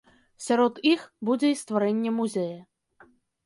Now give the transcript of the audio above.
Сярод іх будзе і стварэнне музея.